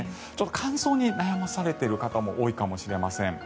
乾燥に悩まされている方も多いかもしれません。